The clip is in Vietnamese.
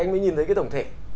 anh mới nhìn thấy cái tổng thể